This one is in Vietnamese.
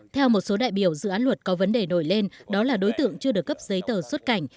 theo một số đại biểu dự án luật có vấn đề nổi lên đó là đối tượng chưa được cấp giấy tờ xuất cảnh